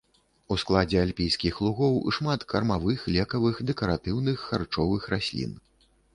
У складзе альпійскіх лугоў шмат кармавых, лекавых, дэкаратыўных, харчовых раслін.